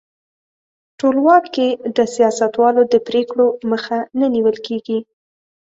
ټولواک کې د سیاستوالو د پرېکړو مخه نه نیول کیږي.